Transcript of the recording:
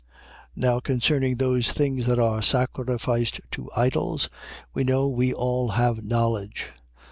8:1. Now concerning those things that are sacrificed to idols: we know we all have knowledge.